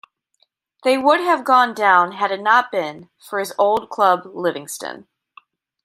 They would have gone down had it not been, for his old club Livingston.